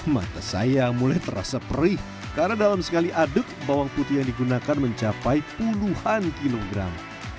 mata saya mulai terasa perih karena dalam sekali adek bawang putih yang digunakan mencapai puluhan kilogram